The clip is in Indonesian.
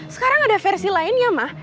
sekarang ada versi lainnya mah